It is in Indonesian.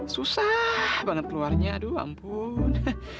susah banget keluarnya aduh ampun